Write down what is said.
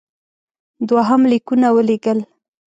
دوهم لیکونه ولېږل.